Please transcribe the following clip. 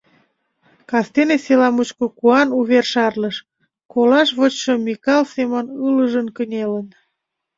Кастене села мучко куан увер шарлыш: колаш вочшо Микал Семон ылыжын кынелын.